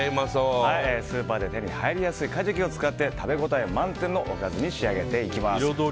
スーパーで手に入りやすいカジキを使って食べ応え満点のおかずを作っていきます。